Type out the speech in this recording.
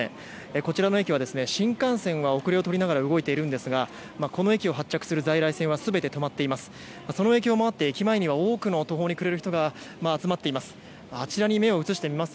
こちらの駅は新幹線は後れを取りながら動いているんですがこの駅を発着する在来線は全て止まっています。